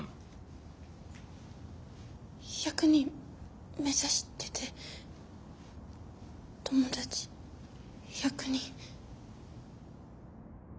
１００人目指してて友達１００人。